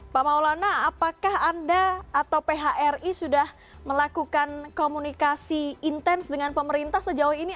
pak maulana apakah anda atau phri sudah melakukan komunikasi intens dengan pemerintah sejauh ini